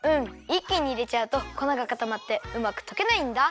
いっきにいれちゃうとこながかたまってうまくとけないんだ。